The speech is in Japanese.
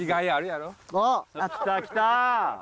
きたきた！